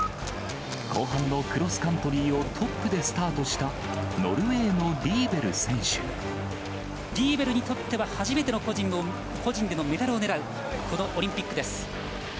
後半のクロスカントリーをトップでスタートした、ノルウェーのリリーベルにとっては、初めての個人でのメダルをねらう、このオリンピックです。